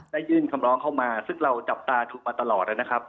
ยื่นคำร้องเข้ามาซึ่งเราจับตาถูกมาตลอดนะครับ